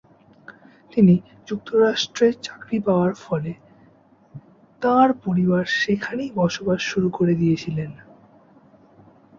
তিনি যুক্তরাষ্ট্রে চাকরি পাওয়ার ফলে তাঁর পরিবার সেখানেই বসবাস করা শুরু করে দিয়েছিলেন।